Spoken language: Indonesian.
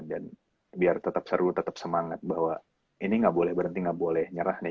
dan biar tetep seru tetep semangat bahwa ini gak boleh berhenti gak boleh nyerah nih